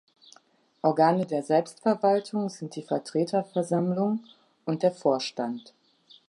Organe der Selbstverwaltung sind die Vertreterversammlung und der Vorstand.